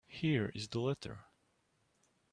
Here is the letter.